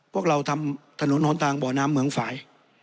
พวกเราทำถนนหนทางบ่อน้ำเหมืองฝ่าย